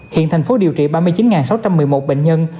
hiện thành phố điều trị ba mươi chín sáu trăm một mươi một bệnh nhân